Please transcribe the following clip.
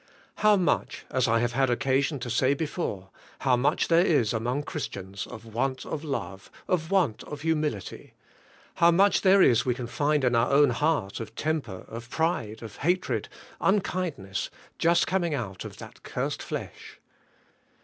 How much — as I have had occasion to say before — how much there is among Christians of want of love, of want of hu milit}^; how much there is we can find in our own heart of temper, of pride, of hatred, unkindness, just coming out of that cursed flesh!